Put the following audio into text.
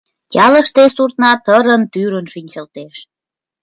Ялыште суртна тырын-тӱрын шинчылтеш.